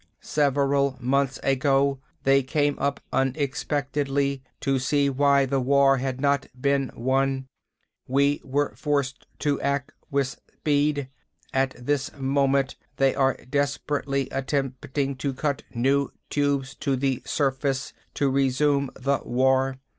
"Several months ago, they came up unexpectedly to see why the war had not been won. We were forced to act with speed. At this moment they are desperately attempting to cut new Tubes to the surface, to resume the war.